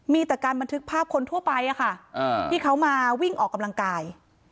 มีแต่การบันทึกภาพคนทั่วไปที่เขามาวิ่งออกกำลังกาย